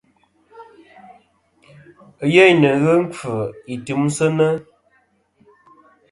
Ɨyêyn nɨ̀n ghɨ nkfɨ i timsɨnɨ.